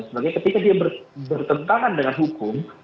sebagai ketika dia bertentangan dengan hukum